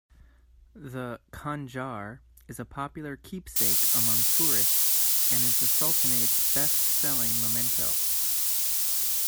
The "khanjar" is a popular keepsake among tourists, and is the Sultanate's best-selling memento.